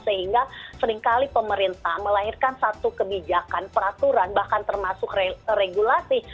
sehingga seringkali pemerintah melahirkan satu kebijakan peraturan bahkan termasuk regulasi